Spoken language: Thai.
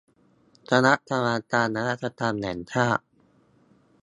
คณะกรรมการนวัตกรรมแห่งชาติ